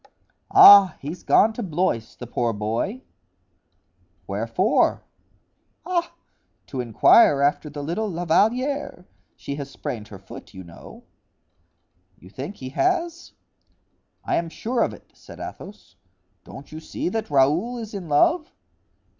"Ah, he's gone to Blois; the poor boy——" "Wherefore?" "Ah, to inquire after the little La Valliere; she has sprained her foot, you know." "You think he has?" "I am sure of it," said Athos; "don't you see that Raoul is in love?"